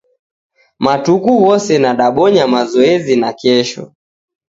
Matuku ghose nadabonya mazoezi nakesho